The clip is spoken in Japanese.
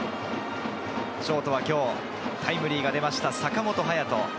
ショートは今日、タイムリーが出ました、坂本勇人。